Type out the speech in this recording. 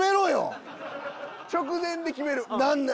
直前で決める。